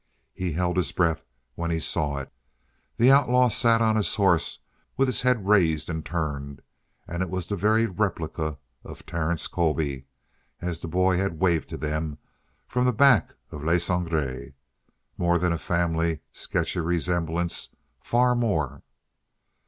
He held his breath when he saw it. The outlaw sat on his horse with his head raised and turned, and it was the very replica of Terence Colby as the boy had waved to them from the back of Le Sangre. More than a family, sketchy resemblance far more.